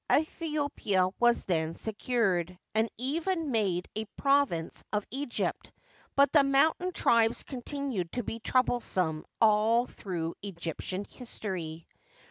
Aethiopia was thus secured, and even macle a province of Egypt, but the mountain tribes continued to be trouble some all through Egyptian history.